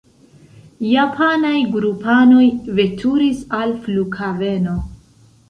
Japanaj grupanoj veturis al flughaveno.